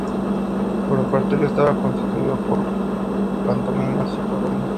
Su repertorio estaba constituido por pantomimas y parodias.